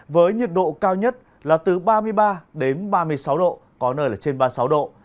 với nhiệt độ cao nhất là từ ba mươi ba đến ba mươi sáu độ có nơi là trên ba mươi sáu độ